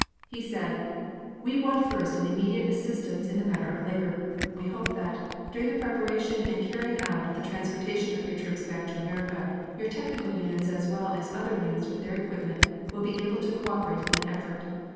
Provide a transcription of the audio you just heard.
He said: "We want first an immediate assistance in the matter of labor. We hope that, during the preparation and the carrying out of the transportation of your troops back to America your technical units as well as other units with their equipment will be able to co operate in that effort.